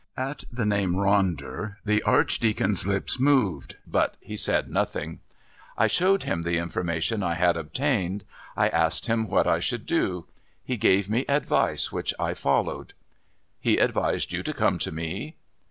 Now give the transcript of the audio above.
At the name "Ronder" the Archdeacon's lips moved, but he said nothing. "I showed him the information I had obtained. I asked him what I should do. He gave me advice which I followed." "He advised you to come to me."